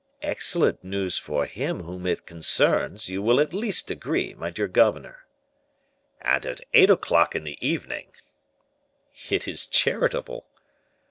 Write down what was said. "Excellent news for him whom it concerns, you will at least agree, my dear governor!" "And at eight o'clock in the evening!" "It is charitable!"